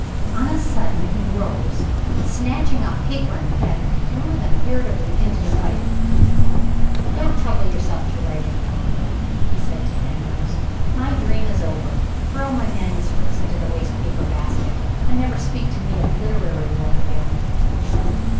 On a sudden he rose, and, snatching up paper and pen, threw them irritably into the fire. "Don't trouble yourself to write any longer," he said to Penrose. "My dream is over. Throw my manuscripts into the waste paper basket, and never speak to me of literary work again."